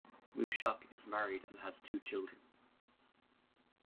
Mushok is married and has two children.